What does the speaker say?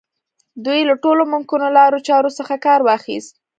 دوی له ټولو ممکنو لارو چارو څخه کار واخيست.